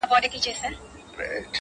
دي مــــړ ســي!!